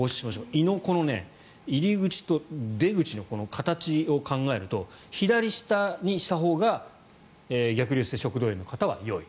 胃の入り口と出口の形を考えると左を下にしたほうが逆流性食道炎の方はよい。